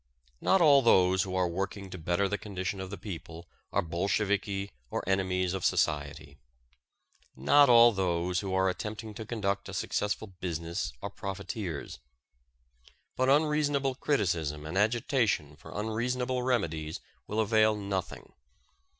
Not all those who are working to better the condition of the people are Bolsheviki or enemies of society. Not all those who are attempting to conduct a successful business are profiteers. But unreasonable criticism and agitation for unreasonable remedies will avail nothing.